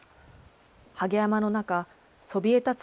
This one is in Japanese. はげ山の中、そびえたつ